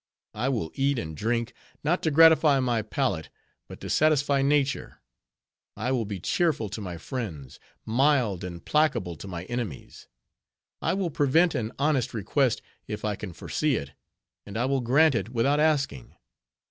I will eat and drink, not to gratify my palate, but to satisfy nature. I will be cheerful to my friends, mild and placable to my enemies. I will prevent an honest request, if I can foresee it; and I will grant it, without asking.